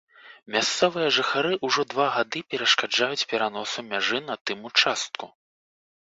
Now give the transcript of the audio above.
Мясцовыя жыхары ўжо два гады перашкаджаюць пераносу мяжы на тым участку.